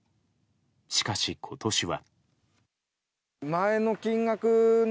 しかし、今年は。